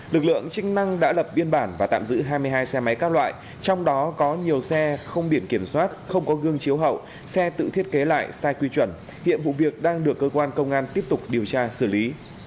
lực lượng chức năng đã lập biên bản và tạm giữ hai mươi hai xe máy các loại trong đó có nhiều xe không biển kiểm soát không có gương chiếu hậu xe tự thiết kế lại sai quy chuẩn hiện vụ việc đang được cơ quan công an tiếp tục điều tra xử lý